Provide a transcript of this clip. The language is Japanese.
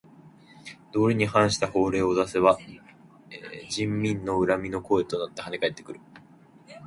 道理に反した法令を出せば人民の恨みの声となってはね返ってくる。